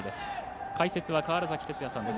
解説は川原崎哲也さんです。